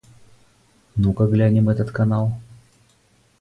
Ну-ка глянем этот канал.